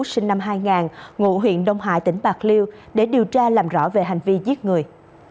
sinh năm hai nghìn ngụ huyện đông hải tỉnh bạc liêu để điều tra làm rõ về hành vi giết người